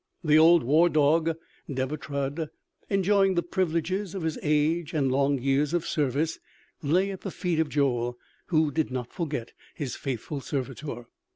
The old war dog Deber Trud, enjoying the privileges of his age and long years of service, lay at the feet of Joel, who did not forget his faithful servitor.